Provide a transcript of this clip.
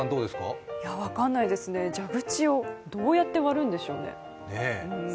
分かんないですね、蛇口をどうやって割るんでしょうね。